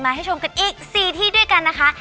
ให้ชมกันอีก๔ที่ด้วยกันนะคะ